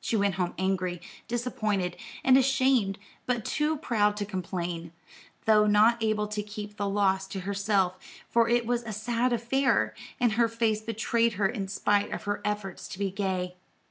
She went home angry, disappointed, and ashamed, but too proud to complain, though not able to keep the loss to herself; for it was a sad affair, and her face betrayed her in spite of her efforts to be gay.